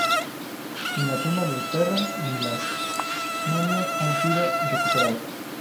Ni la tumba del perro ni la momia han sido recuperadas.